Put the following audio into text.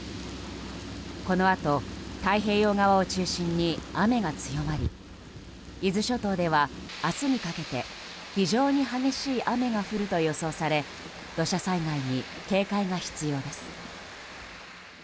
このあと太平洋側を中心に雨が強まり伊豆諸島では明日にかけて非常に激しい雨が降ると予想され土砂災害に警戒が必要です。